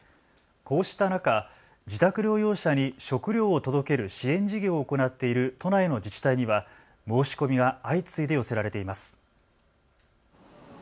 こうした中、自宅療養者に食料を届ける支援事業を行っている都内の自治体には申し込みが相次いで寄せられています。